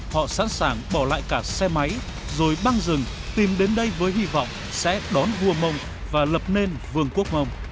họ sẵn sàng bỏ lại cả xe máy rồi băng rừng tìm đến đây với hy vọng sẽ đón vua mông và lập nên vương quốc mông